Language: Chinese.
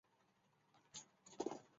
绍尔基卡波尔瑙。